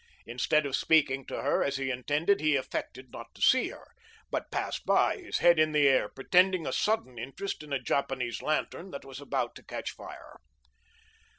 Instead of speaking to her as he intended, he affected not to see her, but passed by, his head in the air, pretending a sudden interest in a Japanese lantern that was about to catch fire.